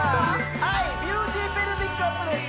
はいビューティーペルピックアップです